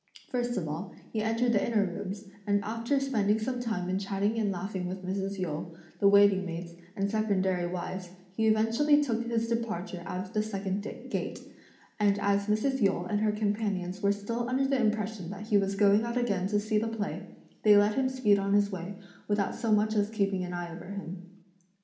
First of all, he entered the inner rooms, and after spending some time in chatting and laughing with Mrs. Yu, the waiting maids, and secondary wives, he eventually took his departure out of the second gate; and as Mrs. Yu and her companions were still under the impression that he was going out again to see the play, they let him speed on his way, without so much as keeping an eye over him.